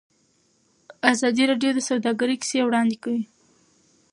ازادي راډیو د سوداګري کیسې وړاندې کړي.